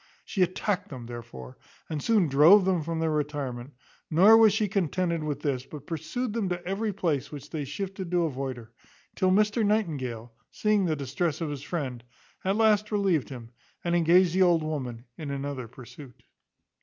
She attacked them, therefore, and soon drove them from their retirement; nor was she contented with this, but pursued them to every place which they shifted to avoid her; till Mr Nightingale, seeing the distress of his friend, at last relieved him, and engaged the old woman in another pursuit.